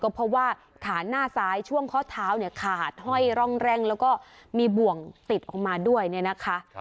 เพราะว่าขาหน้าซ้ายช่วงข้อเท้าเนี่ยขาดห้อยร่องแร่งแล้วก็มีบ่วงติดออกมาด้วยเนี่ยนะคะ